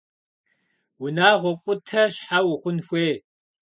Унагъуэ къутэ щхьэ ухъун хуей?